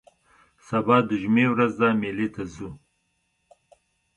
سبا د جمعې ورځ ده مېلې ته ځو